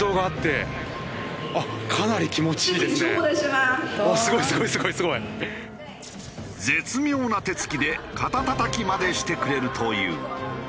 絶妙な手つきで肩たたきまでしてくれるという。